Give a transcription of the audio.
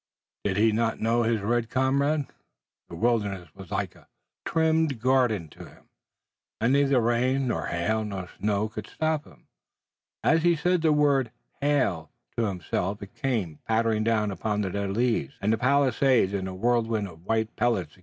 Did he not know his red comrade? The wilderness was like a trimmed garden to him, and neither rain, nor hail, nor snow could stop him. As he said the word "hail" to himself it came, pattering upon the dead leaves and the palisade in a whirlwind of white pellets.